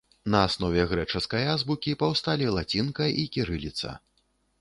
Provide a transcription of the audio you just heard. На аснове грэчаскай азбукі паўсталі лацінка і кірыліца.